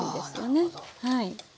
あなるほど。